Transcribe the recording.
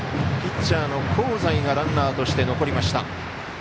ピッチャーの香西がランナーとして残りました。